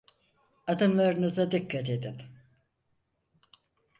Adımlarınıza dikkat edin.